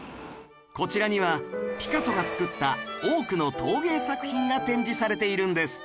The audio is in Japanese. こちらにはピカソが作った多くの陶芸作品が展示されているんです